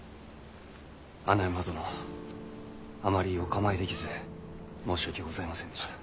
穴山殿あまりお構いできず申し訳ございませんでした。